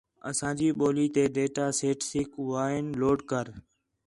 اَساں جی ٻولی تے ڈیٹا سیٹسیک ڈاؤن لوڈ کر